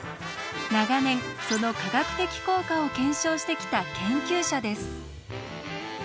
長年その科学的効果を検証してきた研究者です。